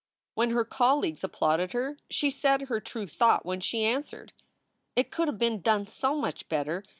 When her colleagues applauded her she said her true thought when she answered: "It could have been done so much better.